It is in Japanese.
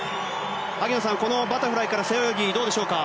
萩野さん、このバタフライから背泳ぎはどうでしょうか？